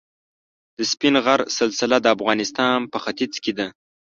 د سپین غر سلسله د افغانستان په ختیځ کې ده.